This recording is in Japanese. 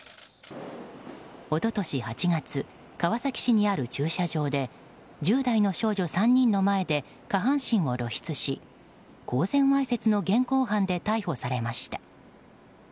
一昨年８月川崎市にある駐車場で１０代の少女３人の前で下半身を露出し公然わいせつの現行犯で逮捕されました。